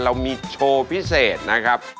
เรามีโชว์พิเศษนะครับ